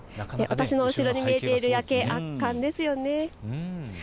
私の後ろに見えている夜景、圧巻ですよね。